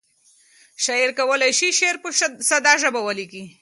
شاعر کولی شي شعر په ساده ژبه ولیکي.